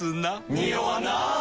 ニオわない！